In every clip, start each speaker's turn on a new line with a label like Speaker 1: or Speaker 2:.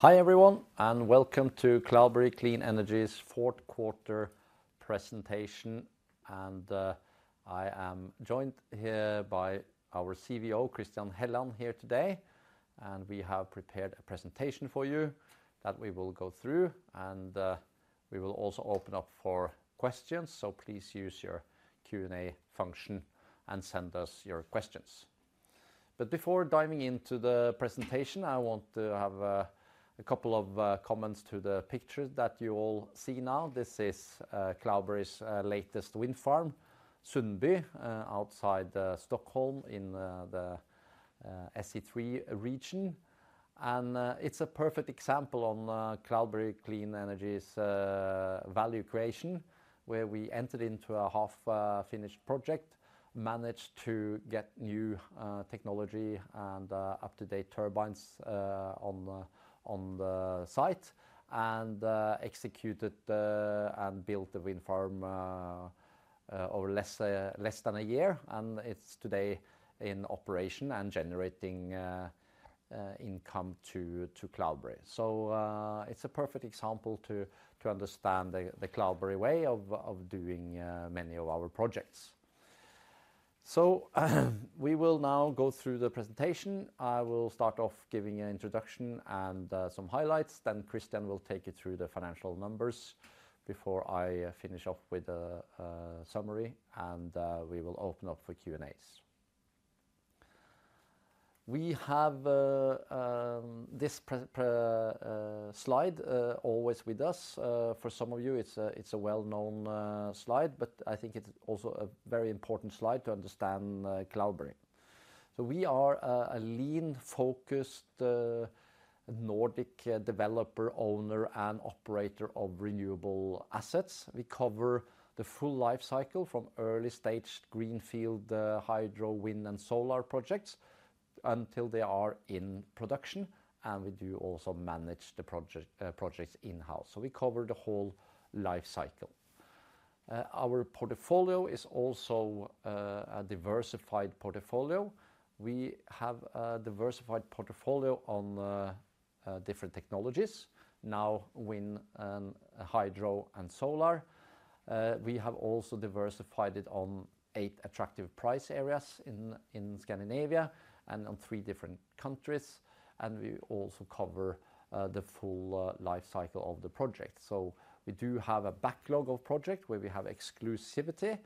Speaker 1: Hi everyone, and welcome to Cloudberry Clean Energy's fourth quarter presentation. I am joined here by our CVO, Christian Helland, here today, and we have prepared a presentation for you that we will go through, and we will also open up for questions, so please use your Q&A function and send us your questions. But before diving into the presentation, I want to have a couple of comments to the picture that you all see now. This is Cloudberry's latest wind farm, Sundby, outside Stockholm in the SE3 region. It's a perfect example on Cloudberry Clean Energy's value creation, where we entered into a half-finished project, managed to get new technology and up-to-date turbines on the site, and executed and built the wind farm over less than a year, and it's today in operation and generating income to Cloudberry. So, it's a perfect example to understand the Cloudberry way of doing many of our projects. So, we will now go through the presentation. I will start off giving an introduction and some highlights, then Christian will take you through the financial numbers before I finish off with a summary, and we will open up for Q&As. We have this pre-slide always with us. For some of you, it's a well-known slide, but I think it's also a very important slide to understand Cloudberry. So we are a lean, focused, Nordic developer, owner, and operator of renewable assets. We cover the full lifecycle from early-staged greenfield hydro, wind, and solar projects until they are in production, and we do also manage the projects in-house. So we cover the whole lifecycle. Our portfolio is also a diversified portfolio. We have a diversified portfolio of different technologies, now wind and hydro and solar. We have also diversified it in eight attractive price areas in Scandinavia and in three different countries, and we also cover the full lifecycle of the project. So we do have a backlog of projects where we have exclusivity.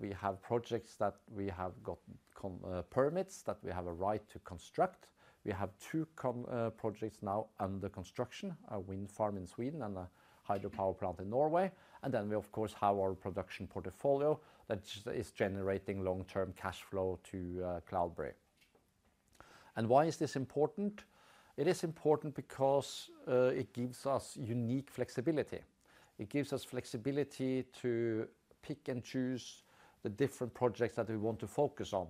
Speaker 1: We have projects that we have got construction permits that we have a right to construct. We have two construction projects now under construction, a wind farm in Sweden and a hydropower plant in Norway, and then we, of course, have our production portfolio that is generating long-term cash flow to Cloudberry. Why is this important? It is important because it gives us unique flexibility. It gives us flexibility to pick and choose the different projects that we want to focus on,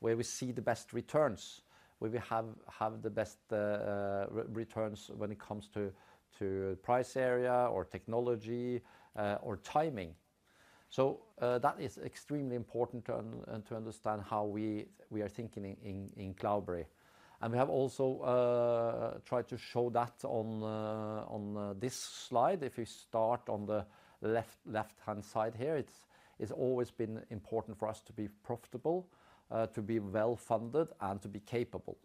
Speaker 1: where we see the best returns, where we have the best returns when it comes to price area or technology, or timing. So, that is extremely important to understand how we are thinking in Cloudberry. And we have also tried to show that on this slide. If you start on the left-hand side here, it's always been important for us to be profitable, to be well-funded, and to be capable.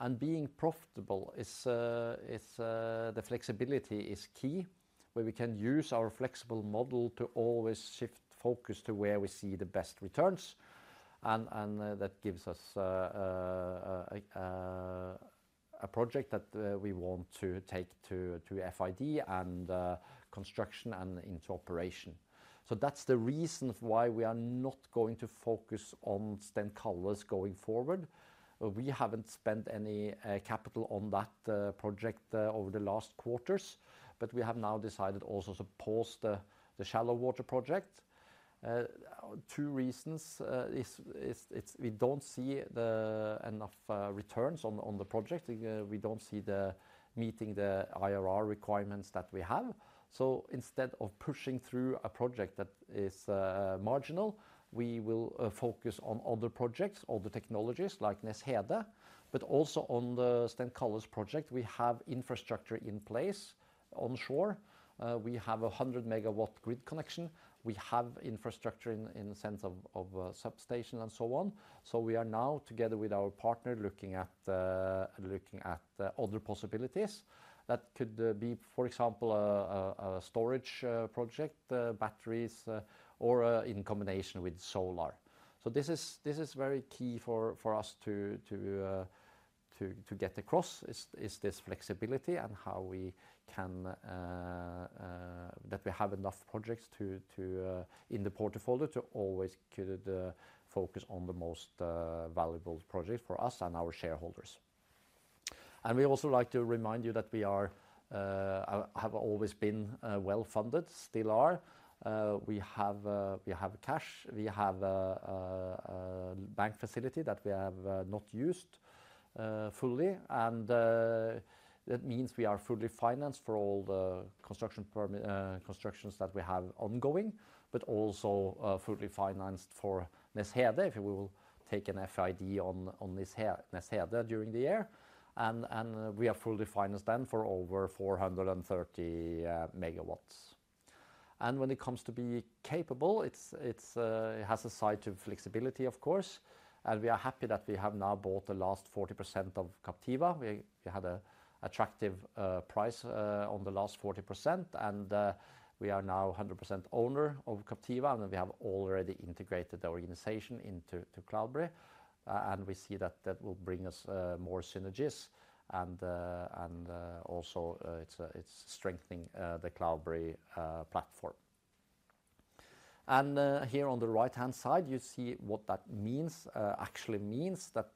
Speaker 1: And being profitable is the flexibility is key, where we can use our flexible model to always shift focus to where we see the best returns, and that gives us a project that we want to take to FID and construction and into operation. So that's the reason why we are not going to focus on Stenkalles going forward. We haven't spent any capital on that project over the last quarters, but we have now decided also to pause the shallow water project. Two reasons: we don't see enough returns on the project. We don't see it meeting the IRR requirements that we have. So instead of pushing through a project that is marginal, we will focus on other projects, other technologies, like Nees Hede, but also on the Stenkalles project, we have infrastructure in place onshore. We have a 100-MW grid connection. We have infrastructure in the sense of substation and so on. So we are now together with our partner looking at other possibilities that could be, for example, a storage project, batteries, or in combination with solar. So this is very key for us to get across is this flexibility and how we can, that we have enough projects to in the portfolio to always could focus on the most valuable projects for us and our shareholders. We also like to remind you that we have always been well-funded, still are. We have cash. We have bank facility that we have not used fully, and that means we are fully financed for all the construction permitted constructions that we have ongoing, but also fully financed for Nees Hede, if we will take an FID on Nees Hede during the year. And we are fully financed then for over 430 MW. When it comes to being capable, it has a side to flexibility, of course, and we are happy that we have now bought the last 40% of Captiva. We had an attractive price on the last 40%, and we are now 100% owner of Captiva, and then we have already integrated the organization into Cloudberry. And we see that that will bring us more synergies, and also, it's strengthening the Cloudberry platform. Here on the right-hand side, you see what that means, actually means that,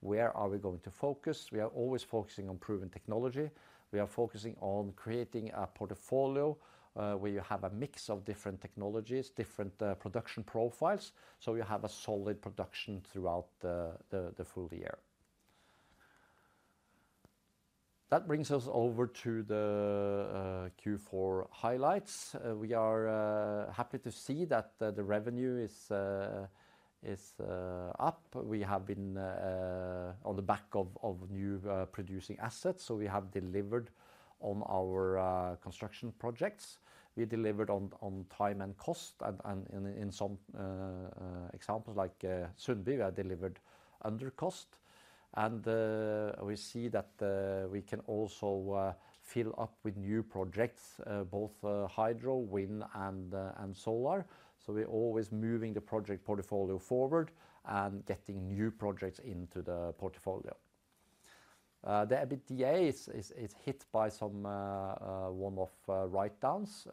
Speaker 1: where are we going to focus. We are always focusing on proven technology. We are focusing on creating a portfolio where you have a mix of different technologies, different production profiles, so you have a solid production throughout the full year. That brings us over to the Q4 highlights. We are happy to see that the revenue is up. We have been on the back of new producing assets, so we have delivered on our construction projects. We delivered on time and cost, and in some examples like Sundby, we have delivered under cost. And we see that we can also fill up with new projects, both hydro, wind, and solar, so we're always moving the project portfolio forward and getting new projects into the portfolio. The EBITDA is hit by some one-off write-downs,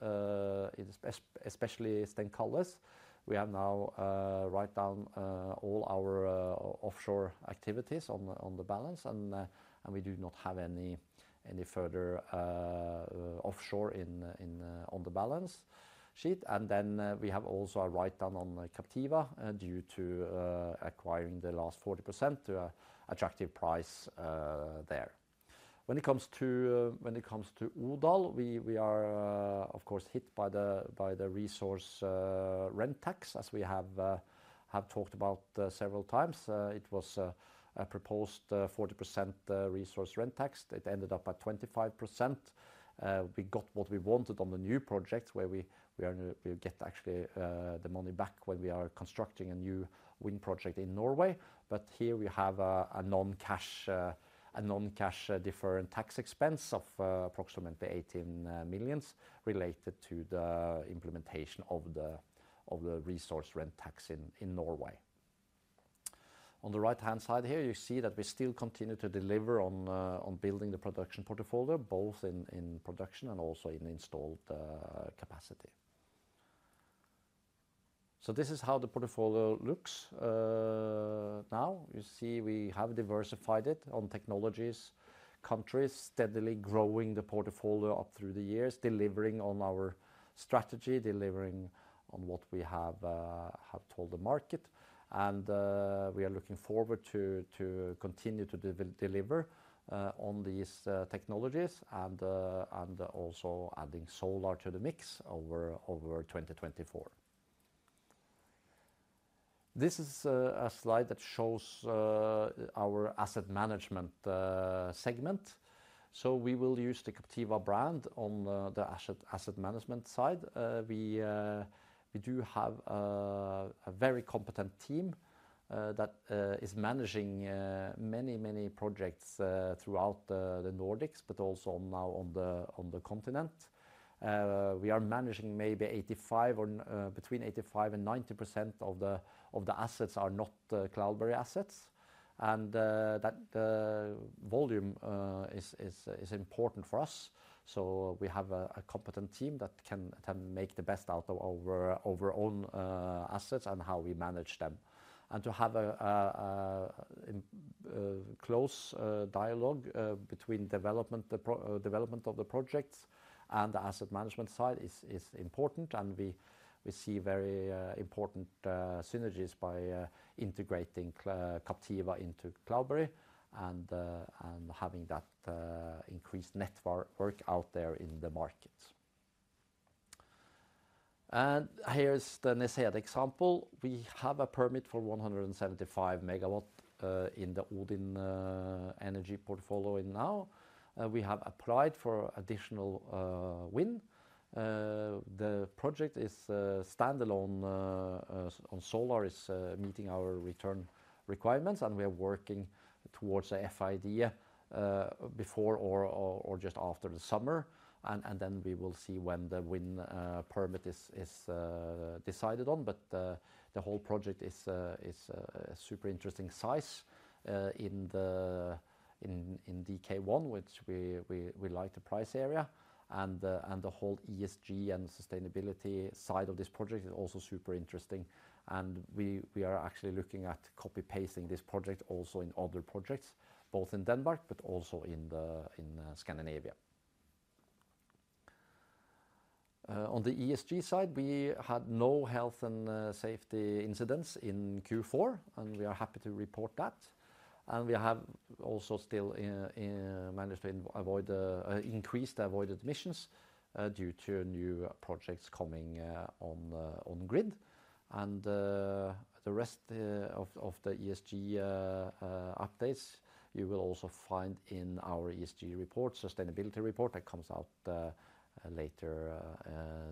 Speaker 1: especially Stenkalles. We have now written down all our offshore activities on the balance, and we do not have any further offshore on the balance sheet. And then, we have also a write-down on Captiva, due to acquiring the last 40% to an attractive price there. When it comes to Odal, we are, of course, hit by the resource rent tax, as we have talked about several times. It was a proposed 40% resource rent tax. It ended up at 25%. We got what we wanted on the new projects, where we are gonna get actually the money back when we are constructing a new wind project in Norway. But here we have a non-cash deferred tax expense of approximately 18 million related to the implementation of the resource rent tax in Norway. On the right-hand side here, you see that we still continue to deliver on building the production portfolio, both in production and also in installed capacity. So this is how the portfolio looks now. You see we have diversified it on technologies, countries, steadily growing the portfolio up through the years, delivering on our strategy, delivering on what we have told the market, and we are looking forward to continue to deliver on these technologies and also adding solar to the mix over 2024. This is a slide that shows our asset management segment. So we will use the Captiva brand on the asset management side. We do have a very competent team that is managing many projects throughout the Nordics, but also now on the continent. We are managing maybe 85 or between 85%-90% of the assets that are not Cloudberry assets, and that volume is important for us. So we have a competent team that can make the best out of our own assets and how we manage them. And to have a close dialogue between development, the project development of the projects and the asset management side is important, and we see very important synergies by integrating Captiva into Cloudberry and having that increased network out there in the markets. And here's the Nees Hede example. We have a permit for 175 MW in the Odin energy portfolio in Denmark. We have applied for additional wind. The project is standalone on solar, is meeting our return requirements, and we are working towards a FID before or just after the summer, and then we will see when the wind permit is decided on. But the whole project is a super interesting size in DK1, which we like, the price area, and the whole ESG and sustainability side of this project is also super interesting. And we are actually looking at copy-pasting this project also in other projects, both in Denmark but also in Scandinavia. On the ESG side, we had no health and safety incidents in Q4, and we are happy to report that. And we have also managed to avoid the increased avoided emissions due to new projects coming on grid. And the rest of the ESG updates you will also find in our ESG report, sustainability report that comes out later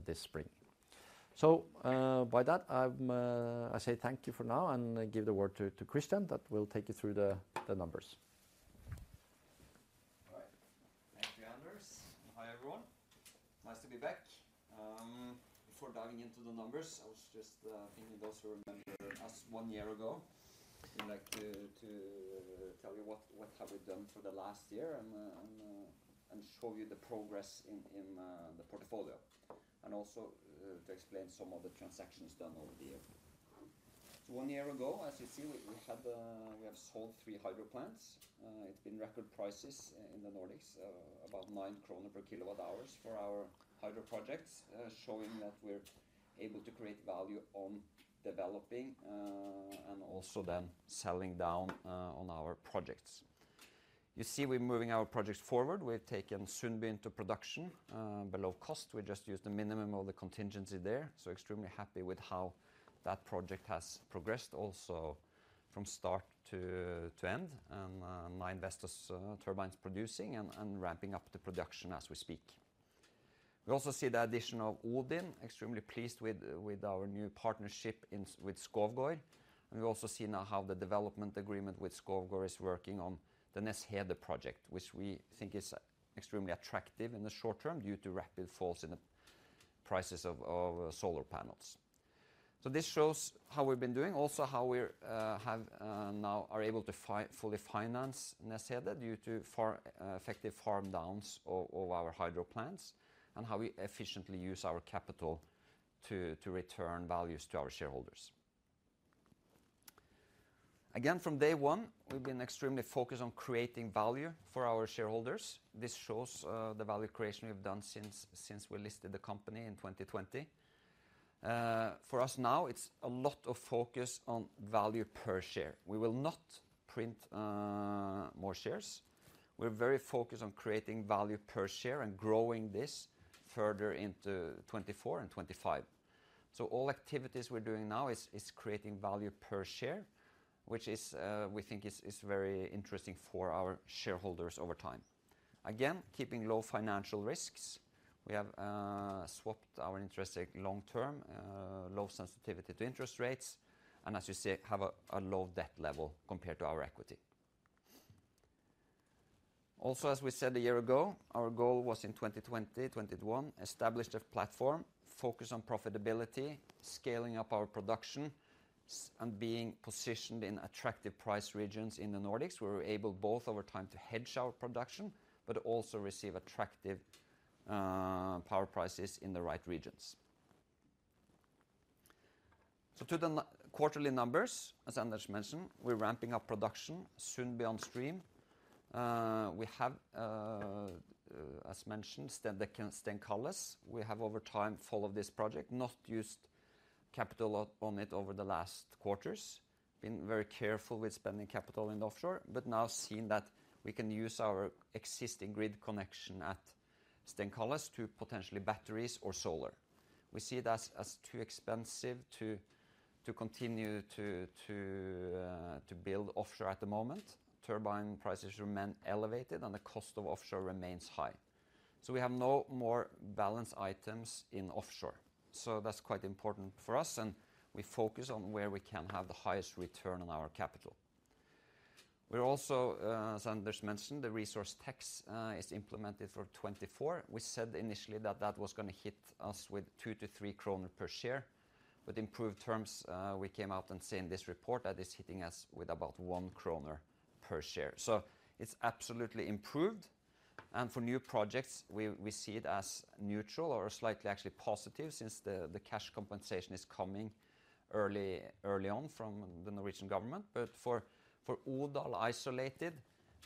Speaker 1: this spring. So, by that, I'm. I say thank you for now and give the word to Christian that will take you through the numbers.
Speaker 2: All right. Thanks, Anders. Hi, everyone. Nice to be back. Before diving into the numbers, I was just thinking those who remember us one year ago, I'd like to tell you what we have done for the last year and show you the progress in the portfolio, and also to explain some of the transactions done over the year. So one year ago, as you see, we had. We have sold three hydro plants. It's been record prices in the Nordics, about 9 krone per kWh for our hydro projects, showing that we're able to create value on developing, and also then selling down on our projects. You see we're moving our projects forward. We've taken Sundby into production, below cost. We just used the minimum of the contingency there, so extremely happy with how that project has progressed also from start to end, and nine Vestas turbines producing and ramping up the production as we speak. We also see the addition of Odin, extremely pleased with our new partnership with Skovgaard. We also see now how the development agreement with Skovgaard is working on the Nees Hede project, which we think is extremely attractive in the short term due to rapid falls in the prices of solar panels. So this shows how we've been doing, also how we now are able to fully finance Nees Hede due to effective farm downs of our hydro plants, and how we efficiently use our capital to return values to our shareholders. Again, from day one, we've been extremely focused on creating value for our shareholders. This shows the value creation we've done since we listed the company in 2020. For us now, it's a lot of focus on value per share. We will not print more shares. We're very focused on creating value per share and growing this further into 2024 and 2025. So all activities we're doing now is creating value per share, which we think is very interesting for our shareholders over time. Again, keeping low financial risks. We have swapped our interest rate long term, low sensitivity to interest rates, and as you see, have a low debt level compared to our equity. Also, as we said a year ago, our goal was in 2020, 2021, established a platform, focused on profitability, scaling up our production, and being positioned in attractive price regions in the Nordics, where we're able both over time to hedge our production, but also receive attractive power prices in the right regions. So to the quarterly numbers, as Anders mentioned, we're ramping up production, Sundby on stream. We have, as mentioned, Stenkalles. We have over time followed this project, not used capital on it over the last quarters, been very careful with spending capital in the offshore, but now seen that we can use our existing grid connection at Stenkalles to potentially batteries or solar. We see it as too expensive to continue to build offshore at the moment. Turbine prices remain elevated, and the cost of offshore remains high. So we have no more balance items in offshore. So that's quite important for us, and we focus on where we can have the highest return on our capital. We're also, as Anders mentioned, the resource tax, is implemented for 2024. We said initially that that was going to hit us with 2-3 kroner per share, but in proved terms, we came out and say in this report that it's hitting us with about 1 kroner per share. So it's absolutely improved. And for new projects, we see it as neutral or slightly actually positive since the, the cash compensation is coming early, early on from the Norwegian government. But for Odal isolated,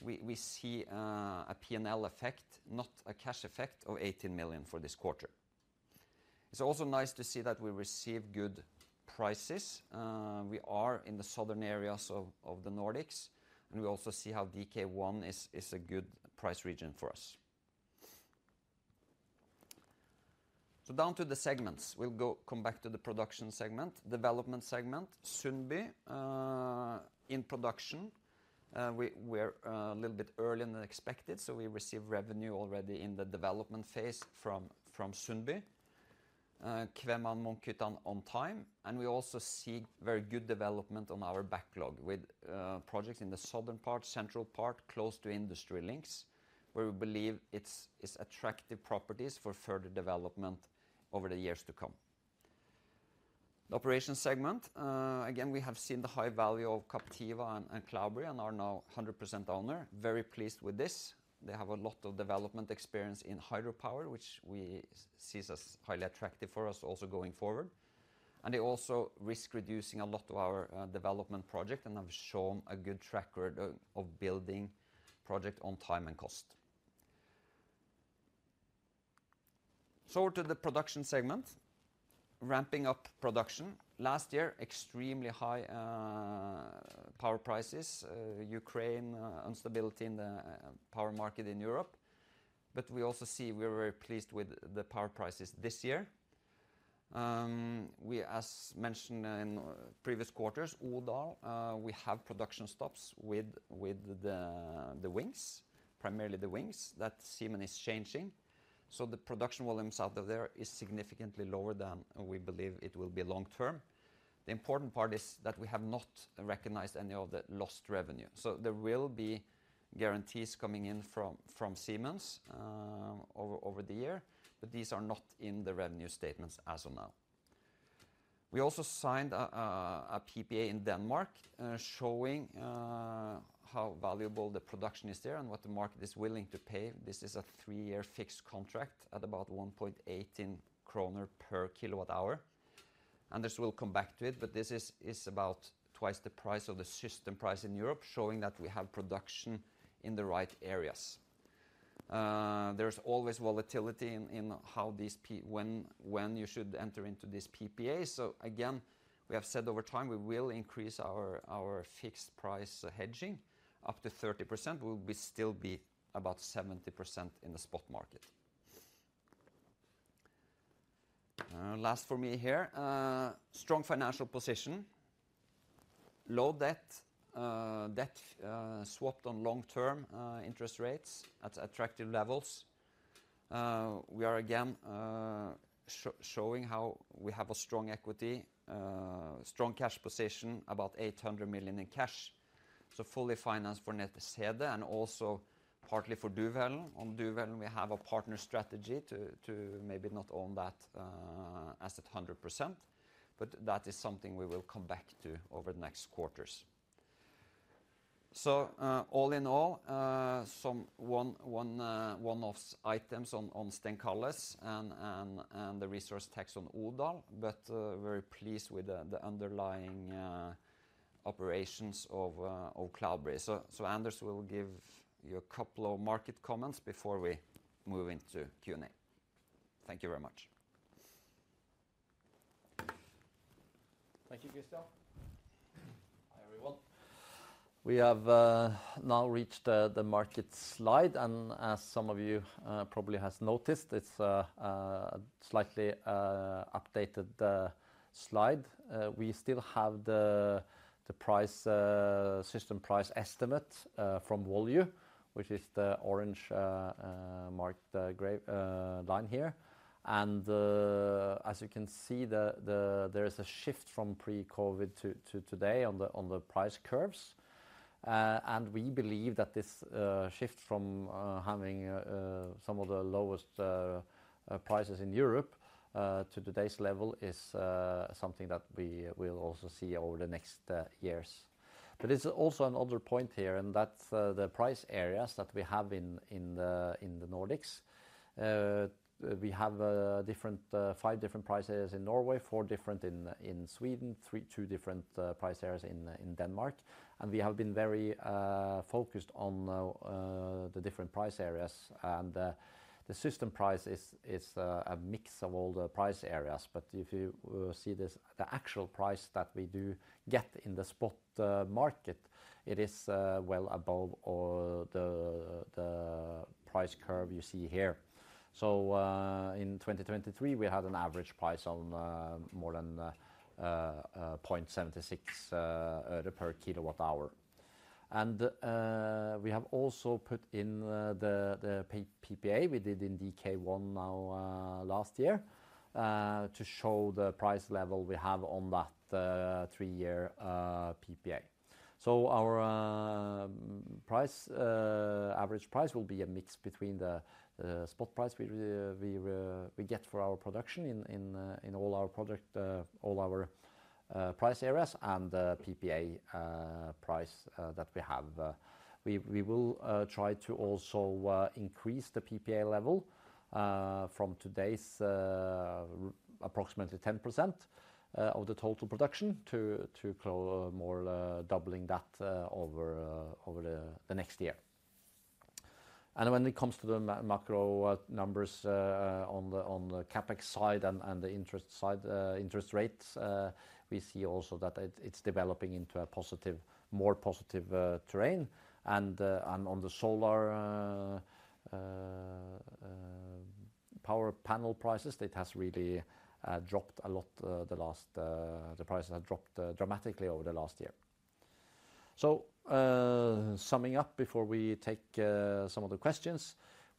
Speaker 2: we, we see, a P&L effect, not a cash effect, of 18 million for this quarter. It's also nice to see that we receive good prices. We are in the southern areas of the Nordics, and we also see how DK1 is a good price region for us. So down to the segments. We'll come back to the production segment, development segment, Sundby, in production. We're a little bit early than expected, so we receive revenue already in the development phase from Sundby, Kvemma Munkhyttan on time. And we also see very good development on our backlog with projects in the southern part, central part, close to industry links, where we believe it's attractive properties for further development over the years to come. The operations segment, again, we have seen the high value of Captiva and Cloudberry and are now 100% owner, very pleased with this. They have a lot of development experience in hydropower, which we sees as highly attractive for us also going forward. They're also risk-reducing a lot of our development projects and have shown a good track record of building projects on time and cost. So over to the production segment, ramping up production. Last year, extremely high power prices, Ukraine instability in the power market in Europe. But we also see we're very pleased with the power prices this year. We, as mentioned in previous quarters, Odal, we have production stops with the wings, primarily the wings, that Siemens is changing. So the production volumes out of there are significantly lower than we believe it will be long term. The important part is that we have not recognized any of the lost revenue. So there will be guarantees coming in from Siemens, over the year, but these are not in the revenue statements as of now. We also signed a PPA in Denmark, showing how valuable the production is there and what the market is willing to pay. This is a three-year fixed contract at about 1.18 kroner per kilowatt-hour. Anders will come back to it, but this is about twice the price of the system price in Europe, showing that we have production in the right areas. There's always volatility in how these PPAs when you should enter into these PPAs. So again, we have said over time we will increase our fixed price hedging up to 30%. We'll still be about 70% in the spot market. Last for me here, strong financial position, low debt swapped on long-term interest rates at attractive levels. We are again showing how we have a strong equity, strong cash position, about 800 million in cash, so fully financed for Nees Hede and also partly for Duvhällen. On Duvhällen, we have a partner strategy to maybe not own that as at 100%, but that is something we will come back to over the next quarters. So, all in all, some one-off items on Stenkalles and the resource tax on Odal, but very pleased with the underlying operations of Cloudberry. So Anders will give you a couple of market comments before we move into Q&A. Thank you very much.
Speaker 1: Thank you, Christian. Hi, everyone. We have now reached the market slide, and as some of you probably have noticed, it's a slightly updated slide. We still have the price system price estimate from Volue, which is the orange marked gray line here. And, as you can see, there is a shift from pre-COVID to today on the price curves. And we believe that this shift from having some of the lowest prices in Europe to today's level is something that we will also see over the next years. But it's also another point here, and that's the price areas that we have in the Nordics. We have five different price areas in Norway, four different in Sweden, two different price areas in Denmark. And we have been very focused on the different price areas, and the system price is a mix of all the price areas. But if you see this, the actual price that we do get in the spot market, it is well above all the price curve you see here. So, in 2023, we had an average price of more than 0.76 per kWh. And we have also put in the PPA we did in DK1 now, last year, to show the price level we have on that 3-year PPA. So our average price will be a mix between the spot price we get for our production in all our projects, all our price areas, and the PPA price that we have. We will try to also increase the PPA level from today's approximately 10% of the total production to close more, doubling that, over the next year. When it comes to the macro numbers on the CapEx side and the interest side, interest rates, we see that it's developing into a more positive terrain. And on the solar power panel prices, it has really dropped a lot. The prices have dropped dramatically over the last year. So, summing up before we take some of the questions,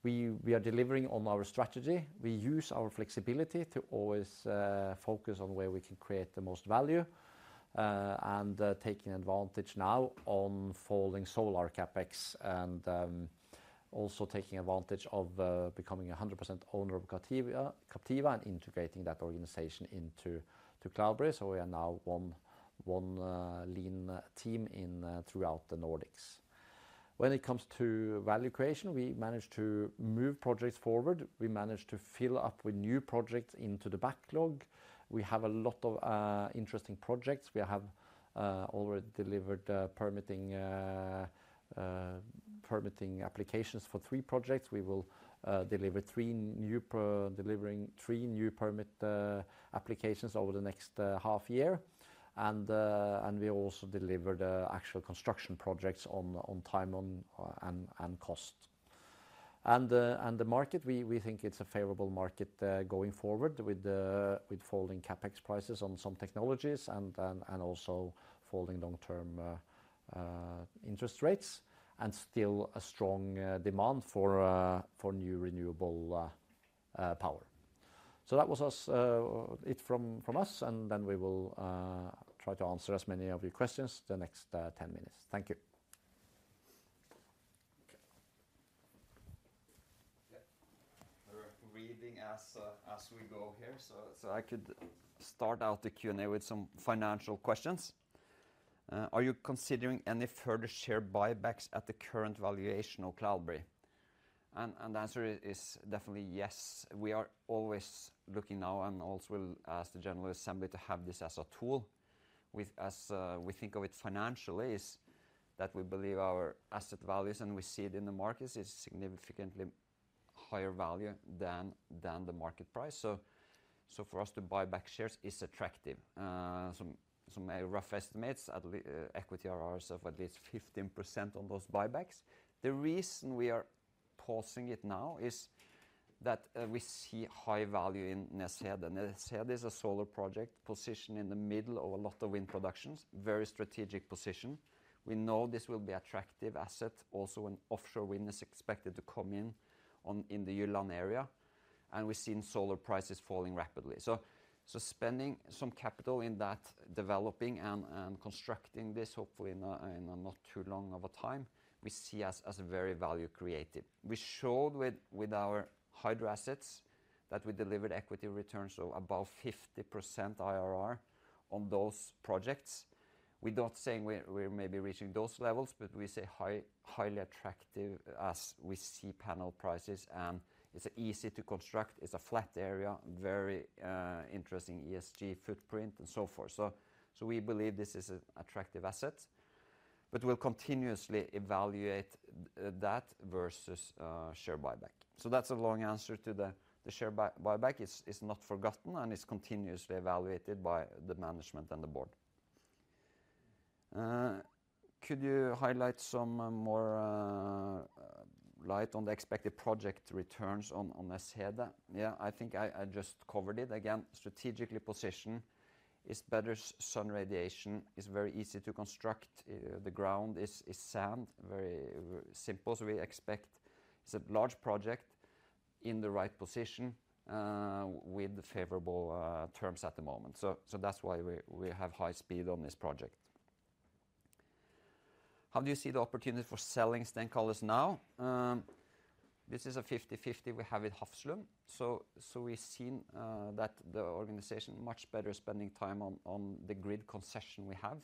Speaker 1: we are delivering on our strategy. We use our flexibility to always focus on where we can create the most value, and taking advantage now on falling solar CapEx and also taking advantage of becoming 100% owner of Captiva and integrating that organization into Cloudberry. So we are now one lean team throughout the Nordics. When it comes to value creation, we managed to move projects forward. We managed to fill up with new projects into the backlog. We have a lot of interesting projects. We have already delivered permitting applications for three projects. We will deliver three new permitting applications over the next half year. And we also delivered actual construction projects on time and on cost. And the market, we think it's a favorable market going forward with falling CapEx prices on some technologies and also falling long-term interest rates, and still a strong demand for new renewable power. So that was it from us, and then we will try to answer as many of your questions the next 10 minutes. Thank you.
Speaker 2: Okay. Yeah. We're reading as we go here, so I could start out the Q&A with some financial questions. Are you considering any further share buybacks at the current valuation of Cloudberry? The answer is definitely yes. We are always looking now and also will ask the General Assembly to have this as a tool. With, as we think of it financially, is that we believe our asset values and we see it in the markets is significantly higher value than the market price. So for us to buy back shares is attractive. Some rough estimates, at least equity are ours of at least 15% on those buybacks. The reason we are pausing it now is that we see high value in Nees Hede. Nees Hede is a solar project positioned in the middle of a lot of wind productions, very strategic position. We know this will be attractive asset. Also, an offshore wind is expected to come in the Jutland area, and we've seen solar prices falling rapidly. So, spending some capital in that developing and constructing this, hopefully in a not too long of a time, we see as very value creative. We showed with our hydro assets that we delivered equity returns of above 50% IRR on those projects. We're not saying we're maybe reaching those levels, but we say highly attractive as we see power prices, and it's easy to construct. It's a flat area, very interesting ESG footprint, and so forth. So, we believe this is an attractive asset, but we'll continuously evaluate that versus share buyback. So that's a long answer to the share buyback. It's not forgotten, and it's continuously evaluated by the management and the board. Could you shed some more light on the expected project returns on Nees Hede? Yeah, I think I just covered it. Again, strategically positioned is better sun radiation. It's very easy to construct. The ground is sand, very simple. So we expect it's a large project in the right position, with favorable terms at the moment. So that's why we have high speed on this project. How do you see the opportunity for selling Stenkalles now? This is a 50/50. We have it Hafslund. So we've seen that the organization much better spending time on the grid concession we have.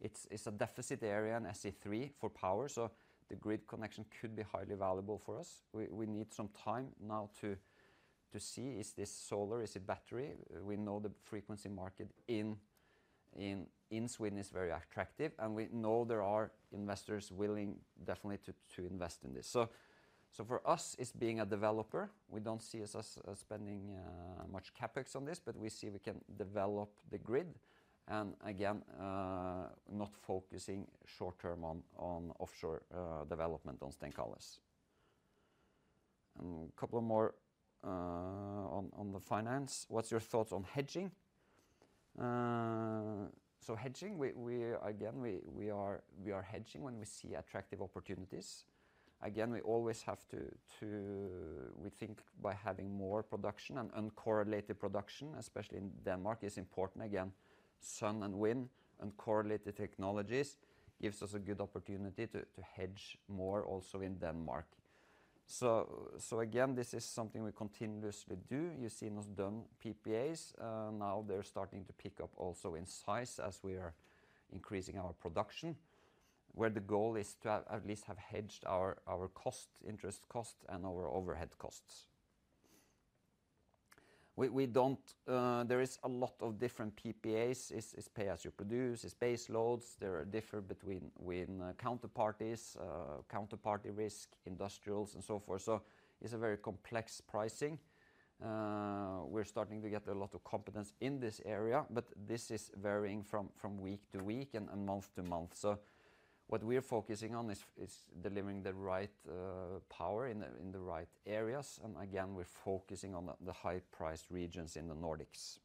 Speaker 2: It's a deficit area in SE3 for power, so the grid connection could be highly valuable for us. We need some time now to see is this solar, is it battery? We know the frequency market in Sweden is very attractive, and we know there are investors willing definitely to invest in this. So, for us, it's being a developer. We don't see us as spending much CapEx on this, but we see we can develop the grid, and again, not focusing short term on offshore development on Stenkalles. And a couple more on the finance. What's your thoughts on hedging? So hedging, we are hedging when we see attractive opportunities. Again, we always have to, we think by having more production and uncorrelated production, especially in Denmark, is important. Again, sun and wind, uncorrelated technologies gives us a good opportunity to hedge more also in Denmark. So again, this is something we continuously do. You've seen us done PPAs. Now they're starting to pick up also in size as we are increasing our production, where the goal is to at least have hedged our cost, interest cost, and our overhead costs. We don't, there is a lot of different PPAs. It's pay as you produce, it's base loads. There are differences between wind counterparties, counterparty risk, industrials, and so forth. So it's a very complex pricing. We're starting to get a lot of competence in this area, but this is varying from week to week and month to month. So what we're focusing on is delivering the right power in the right areas, and again, we're focusing on the high-priced regions in the Nordics.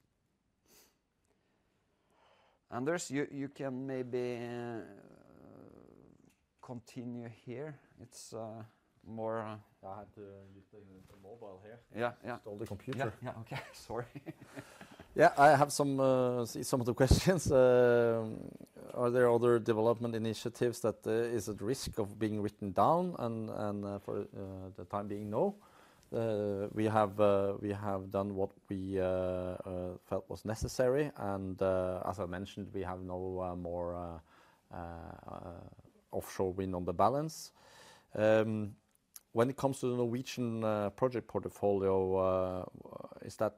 Speaker 2: Anders, you can maybe continue here. It's more.
Speaker 1: Yeah, I had to use the mobile here.
Speaker 2: Yeah, yeah. Stole the computer. Yeah, yeah, okay.
Speaker 1: Sorry. Yeah, I have some of the questions. Are there other development initiatives that is at risk of being written down? For the time being, no. We have done what we felt was necessary, and, as I mentioned, we have no more offshore wind on the balance. When it comes to the Norwegian project portfolio, is that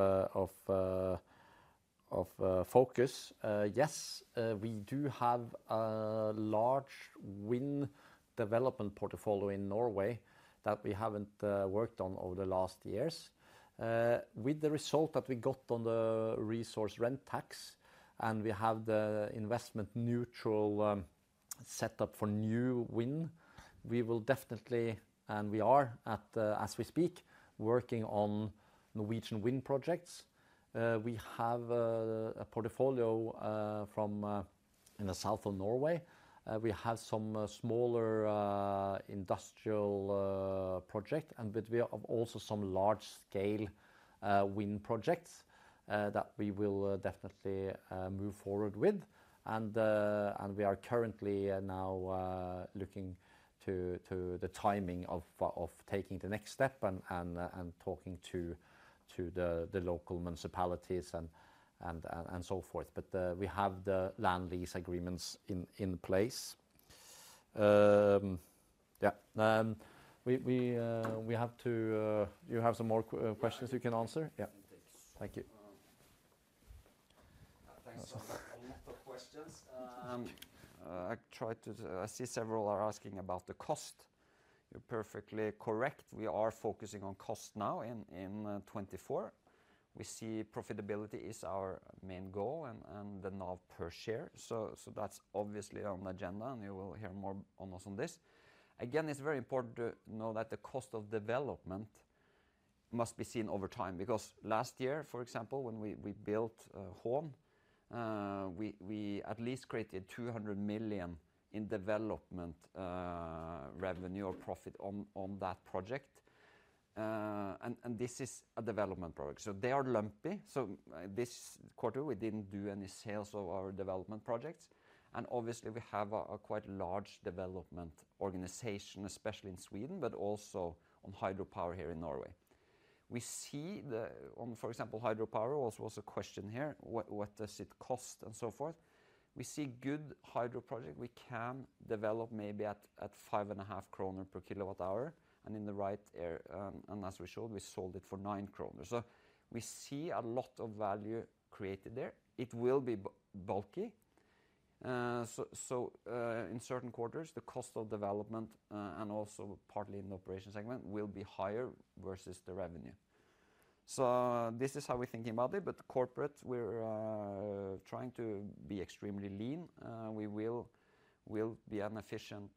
Speaker 1: a focus? Yes, we do have a large wind development portfolio in Norway that we haven't worked on over the last years. With the result that we got on the resource rent tax, and we have the investment neutral setup for new wind, we will definitely, and we are, as we speak, working on Norwegian wind projects. We have a portfolio in the south of Norway. We have some smaller industrial projects, but we also have some large-scale wind projects that we will definitely move forward with. We are currently now looking to the timing of taking the next step and talking to the local municipalities and so forth. But we have the land lease agreements in place. Yeah. We have to. Do you have some more questions you can answer?
Speaker 2: Yeah. Thank you.
Speaker 1: Thank you. Thanks for a lot of questions.
Speaker 2: I tried to. I see several are asking about the cost. You're perfectly correct. We are focusing on cost now in 2024. We see profitability is our main goal and the NAV per share. So that's obviously on the agenda, and you will hear more on us on this. Again, it's very important to know that the cost of development must be seen over time, because last year, for example, when we built Hån, we at least created 200 million in development revenue or profit on that project. And this is a development project. So they are lumpy. So this quarter, we didn't do any sales of our development projects. And obviously, we have a quite large development organization, especially in Sweden, but also on hydropower here in Norway. We see, for example, hydropower also was a question here, what does it cost and so forth. We see good hydro project. We can develop maybe at 5.5 kroner per kWh, and in the right area, and as we showed, we sold it for 9 kroner. So we see a lot of value created there. It will be bulky. So, in certain quarters, the cost of development, and also partly in the operation segment will be higher versus the revenue. So this is how we're thinking about it, but corporate, we're trying to be extremely lean. We will be an efficient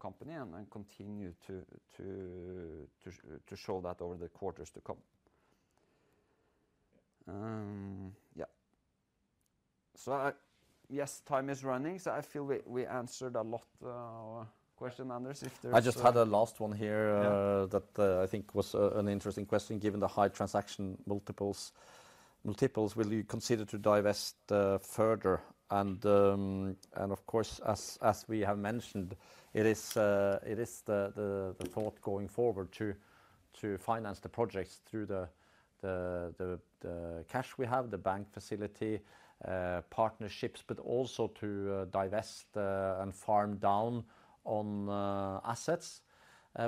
Speaker 2: company and continue to show that over the quarters to come. Yeah. So, yes, time is running, so I feel we answered a lot of questions, Anders, if there's.
Speaker 1: I just had a last one here, that I think was an interesting question. Given the high transaction multiples, will you consider to divest further? And, of course, as we have mentioned, it is the thought going forward to finance the projects through the cash we have, the bank facility, partnerships, but also to divest and farm down on assets.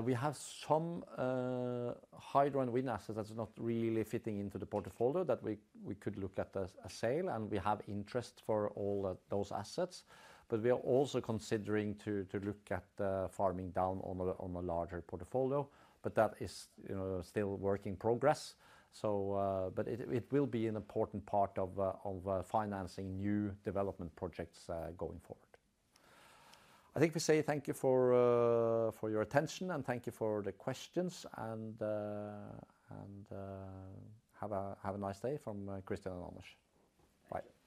Speaker 1: We have some hydro and wind assets that’s not really fitting into the portfolio that we could look at as a sale, and we have interest for all those assets. But we are also considering to look at farming down on a larger portfolio, but that is, you know, still work in progress. So but it will be an important part of financing new development projects going forward. I think we say thank you for your attention, and thank you for the questions, and have a nice day from Christian and Anders. Bye.